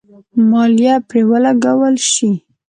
مالیه پرې ولګول شي.